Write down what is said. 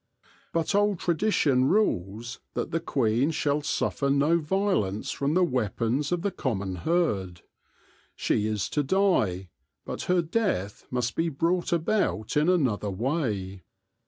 But old tradition rules that the queen shall suifer no violence from the v weapons of the common herd. She is to die, but her death must be brought about in another way.